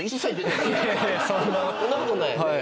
そんなことないよね。